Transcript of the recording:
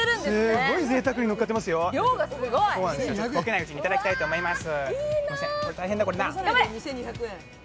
すっごいぜいたくにのっかってますよ溶けないうちにいただきたいと思います。